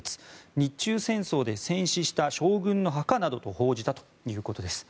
日中戦争で戦死した将軍の墓などと報じたということです。